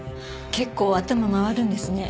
結構頭回るんですね。